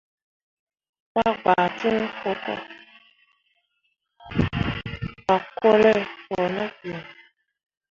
Pa gbaa ciŋ hũko, bakyole ɓo ne giini.